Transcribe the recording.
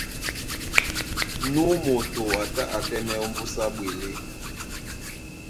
Nú moto a tá á tɛ́mɛ̀ ómbúsá ɓwelé.